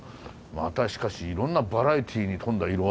またしかしいろんなバラエティーに富んだ色合いの。